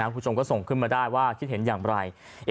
คุณผู้ชมก็ส่งขึ้นมาได้ว่าคิดเห็นอย่างไร